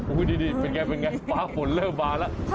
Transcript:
อุ้ยดีเป็นไงฟ้าฝนเริ่มมาแล้ว